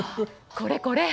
これこれ！